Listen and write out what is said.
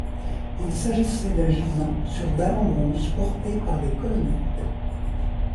Il s’agissait d'un gisant sur dalle en bronze porté par des colonnettes.